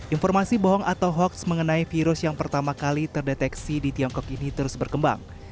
informasi bohong atau hoax mengenai virus yang pertama kali terdeteksi di tiongkok ini terus berkembang